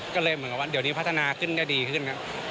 ก็เลยเหมือนกับว่าเดี๋ยวนี้พัฒนาขึ้นก็ดีขึ้นครับ